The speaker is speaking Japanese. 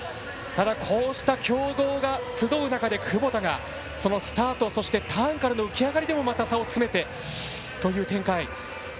こうした強豪が集う中で窪田が、スタート、ターンからの浮き上がりでも差を詰めてという展開。